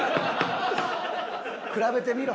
比べてみろ。